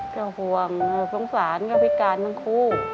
ก็ห่วงสงสารกับพิการเพื่อนคู่